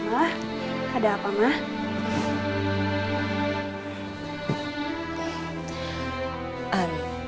ma ada apa ma